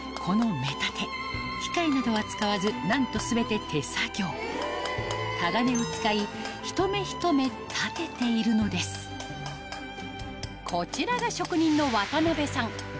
この目立て機械などは使わずなんと全て手作業たがねを使いひと目ひと目立てているのですこちらが職人の渡さん